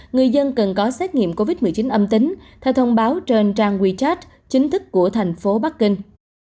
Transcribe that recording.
người dân cần có xét nghiệm covid một mươi chín âm tính theo thông báo trên trang wechat chính thức của thành phố bắc kinh